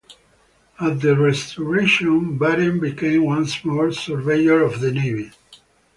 At the Restoration, Batten became once more Surveyor of the Navy.